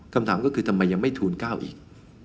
คำถามก็คือทำไมยังไม่ทูล๙อีก